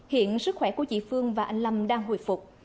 hiện sức khỏe của chị phương và anh lâm đang hồi phục